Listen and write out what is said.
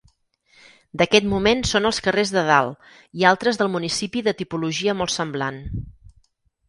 D'aquest moment són els carrers de Dalt i altres del municipi de tipologia molt semblant.